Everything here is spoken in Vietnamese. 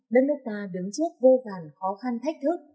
đất nước ta đứng trước vô vàn khó khăn thách thức